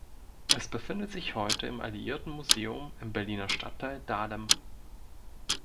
Es befindet sich heute im Alliierten-Museum im Berliner Stadtteil Dahlem.